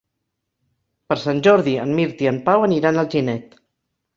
Per Sant Jordi en Mirt i en Pau aniran a Alginet.